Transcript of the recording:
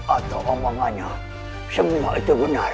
atau omongannya semua itu benar